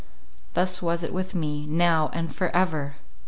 —Thus was it with me, now, and for ever!